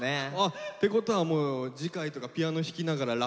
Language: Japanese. ってことはもう次回とかピアノ弾きながらラップとか。